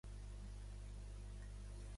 El pub a Ewhurst Green és "El gos blanc".